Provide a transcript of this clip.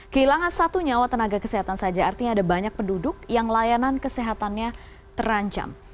kehilangan satu nyawa tenaga kesehatan saja artinya ada banyak penduduk yang layanan kesehatannya terancam